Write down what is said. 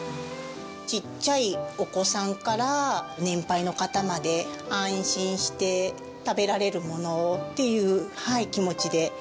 ちっちゃいお子さんから年配の方まで安心して食べられるものをっていう気持ちで。